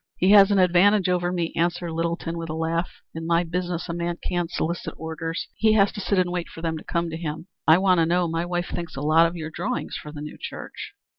"He has an advantage over me," answered Littleton with a laugh. "In my business a man can't solicit orders. He has to sit and wait for them to come to him." "I want to know. My wife thinks a lot of your drawings for the new church."